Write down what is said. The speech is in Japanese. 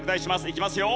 いきますよ。